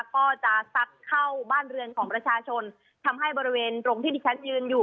ก็จะซักเข้าบ้านเรือนของประชาชนทำให้บริเวณตรงที่ที่ฉันยืนอยู่